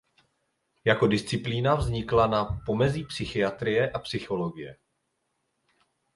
Jako disciplína vznikla na pomezí psychiatrie a psychologie.